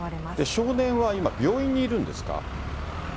少年は今、病院にいるんですか？